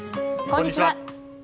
こんにちは。